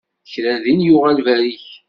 Kra din yuɣal berrik.